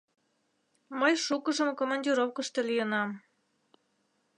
— Мый шукыжым командировкышто лийынам.